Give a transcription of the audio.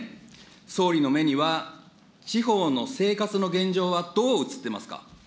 総理の目には、地方の生活の現状はどう映ってますか。